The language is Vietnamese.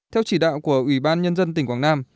theo chỉ đạo của ủy ban nhân dân tỉnh quảng nam